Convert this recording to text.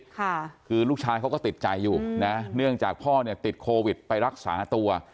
ค่ะคือลูกชายเขาก็ติดใจอยู่นะเนื่องจากพ่อเนี่ยติดโควิดไปรักษาตัว